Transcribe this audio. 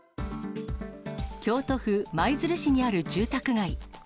京都府舞鶴市にある住宅街。